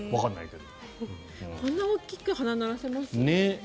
こんな大きく鼻、鳴らせます？